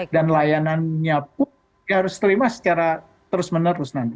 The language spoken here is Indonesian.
dan layanannya pun harus terima secara terus menerus nanti